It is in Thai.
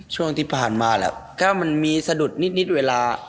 ช่วงที่ผ่านมาแหละก็มันมีสะดุดนิดเวลา